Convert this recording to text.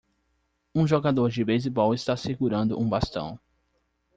Um jogador de beisebol está segurando um bastão.